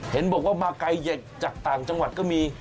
เห็นบอกว่ามาไกลเย็นจากต่างจังหวัดก็มี